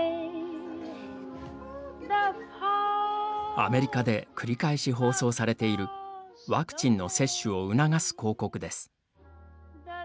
アメリカで繰り返し放送されているワクチンの接種を促す広告です。